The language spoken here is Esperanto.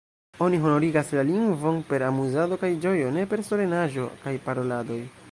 Oni honorigas la lingvon per amuzado kaj ĝojo, ne per solenaĵo kaj paroladoj.